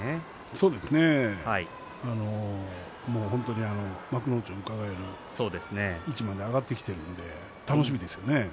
そうですね、本当に幕内をうかがえる位置まで上がってきているので楽しみですね。